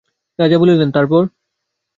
রাজা বলিলেন, তার পর?